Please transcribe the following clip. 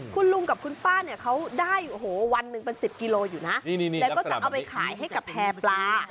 คุณลุงกับคุณป้าเนี่ยเขาได้โอ้โหวันหนึ่งเป็น๑๐กิโลอยู่นะแล้วก็จะเอาไปขายให้กับแพร่ปลา